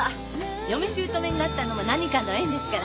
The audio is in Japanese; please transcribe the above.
嫁姑になったのも何かの縁ですから。